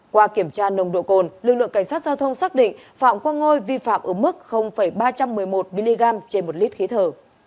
qua kiểm tra nồng độ cồn lực lượng cảnh sát giao thông xác định phạm quang ngôi vi phạm ở mức ba trăm một mươi một mg trên một lít khí thở